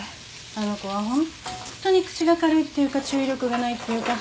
あの子はホンットに口が軽いっていうか注意力がないっていうか。